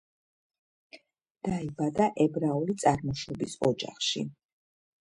დაიბადა ებრაული წარმოშობის ოჯახში.